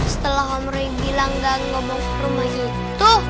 setelah om roy bilang gak ngomong ke rumah gitu